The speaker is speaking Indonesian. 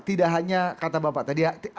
tidak hanya kata bapak tadi